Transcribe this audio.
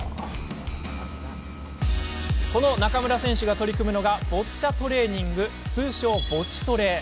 中村選手が取り組むのがボッチャトレーニング通称ボチトレ。